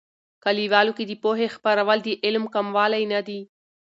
کلیوالو کې د پوهې خپرول، د علم کموالی نه دي.